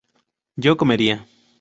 yo comería